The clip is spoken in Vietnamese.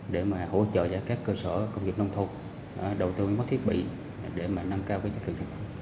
để hỗ trợ các cơ sở công nghiệp nông thôn đầu tư máy móc thiết bị để nâng cao chất lượng sản phẩm